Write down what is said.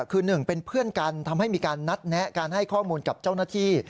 คือหนึ่งเป็นเพื่อนกันทำให้มีการนัดแนะการให้ข้อมูลกับเจ้าหน้าที่